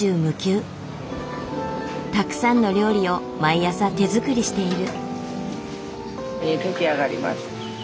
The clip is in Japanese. たくさんの料理を毎朝手作りしている。